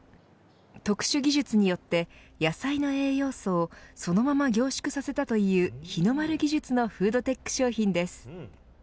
特殊技術によって野菜の栄養素をそのまま凝縮させたという日の丸技術のフードテック商品です。